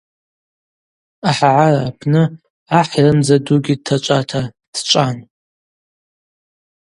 Ахӏагӏара апны ахӏ йрымдза дугьи дтачӏвата дчӏван.